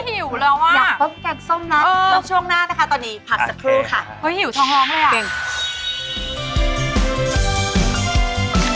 ใช่หิวเร็วว่ะอยากปุ๊บแกงส้มนะแล้วช่วงหน้านะคะตอนนี้ผักสักครู่ค่ะ